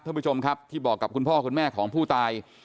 ท่านผู้ชมครับที่บอกกับคุณพ่อคุณแม่ของผู้ตาย